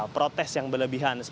protes yang berlebihan